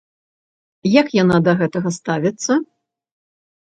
Як яна да гэтага ставіцца?